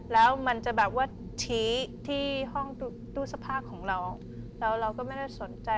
แล้วมันจะแบบว่าชี้ที่ห้องตู้สภาพของเราแล้วเราก็ไม่ได้สนใจ